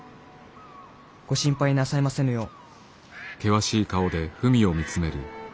ご心配なさいませぬよう」。